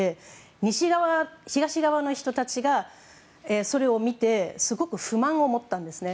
西側、東側の人たちがそれを見てすごく不満を持ったんですね。